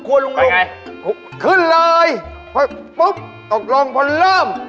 ไปไหนขึ้นเลยปุ๊บปุ๊บตกลงผลเริ่ม